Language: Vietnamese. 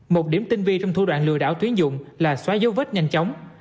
một điểm tinh vi trong thủ đoạn lừa đảo tuyển dụng là xóa dấu vết nhanh chóng